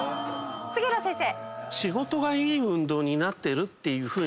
杉浦先生。